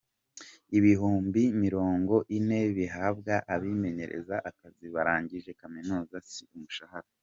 Ibihumbi mirongo ine bihabwa abimenyereza akazi barangije kaminuza si umushahara